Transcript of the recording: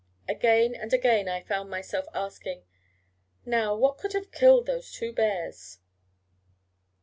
Again and again I found myself asking: 'Now, what could have killed those two bears?'